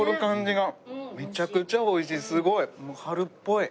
すごい！春っぽい。